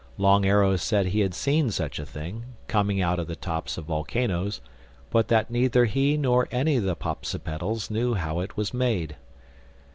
Long Arrow said he had seen such a thing—coming out of the tops of volcanoes; but that neither he nor any of the Popsipetels knew how it was made.